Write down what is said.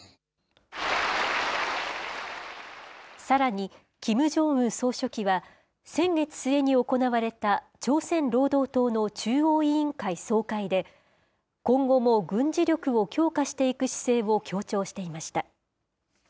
さらに、キム・ジョンウン総書記は、先月末に行われた朝鮮労働党の中央委員会総会で、今後も軍事力を強化していく姿勢を強調していました。